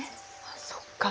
あっそっか。